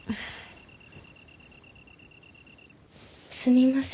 すみません